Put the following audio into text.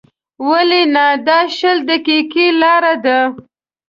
ولې نه، دا شل دقیقې لاره ده.